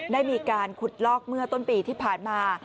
ได้มีการขุดลอกเมื่อต้นปีที่ผ่านมา